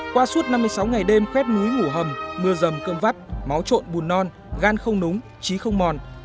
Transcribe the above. qua suốt năm mươi sáu ngày đêm khuét núi ngủ hầm mưa rầm cơm vắt máu trộn bùn non gan không núng trí không mòn